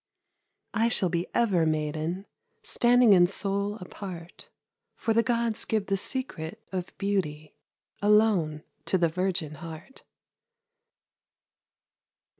I shall be ever maiden, Standing in soul apart, For the Gods give the secret of beauty Alone to the virgin heart.